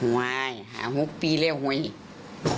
วายหาหกปีแล้วเองเนี่ย